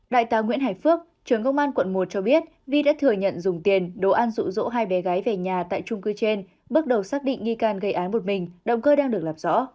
đại tá nguyễn hải phước trưởng công an quận một cho biết vi đã thừa nhận dùng tiền đồ ăn rụ rỗ hai bé gái về nhà tại trung cư trên bước đầu xác định nghi can gây án một mình động cơ đang được làm rõ